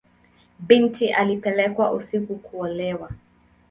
Binti alipelekwa usiku kuolewa.